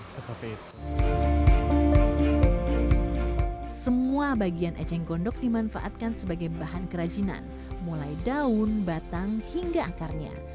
semua bagian ejeng gondok dimanfaatkan sebagai bahan kerajinan mulai daun batang hingga akarnya